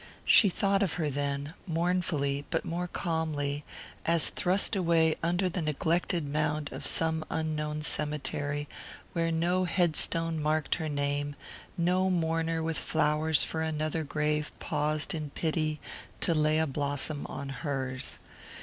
She thought of her then, mournfully but more calmly, as thrust away under the neglected mound of some unknown cemetery, where no headstone marked her name, no mourner with flowers for another grave paused in pity to lay a blossom on hers.